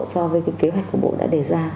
so với kế hoạch của bộ đã đề ra